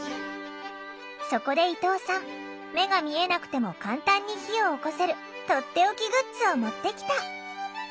そこで伊藤さん目が見えなくても簡単に火をおこせるとっておきグッズを持ってきた。